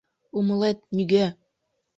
Умылет, нигӧ!